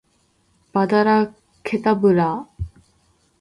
アバダ・ケタブラぁ！！！